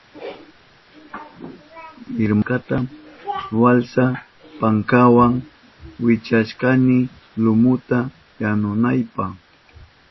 Irmankata walsa pankawa wichkashkani lumuta yanunaynipa.